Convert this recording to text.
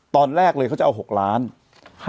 ตอนแรกเลยเขาจะเอา๖ล้าน